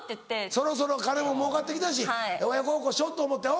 そろそろ金ももうかって来たし親孝行しようと思っておぉ。